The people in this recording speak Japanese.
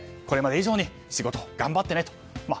これまで以上に仕事頑張ってねと。